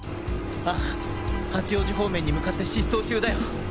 ああ八王子方面に向かって疾走中だよ。